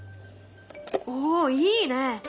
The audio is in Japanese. おっいいね！